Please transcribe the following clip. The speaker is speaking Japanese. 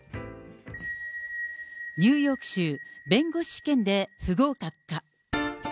ニューヨーク州弁護士試験で不合格か。